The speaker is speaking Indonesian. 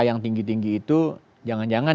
yang tinggi tinggi itu jangan jangan